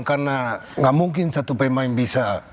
karena nggak mungkin satu pemain bisa